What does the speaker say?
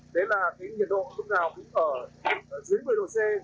đấy là cái nhiệt độ lúc nào cũng ở dưới một mươi độ c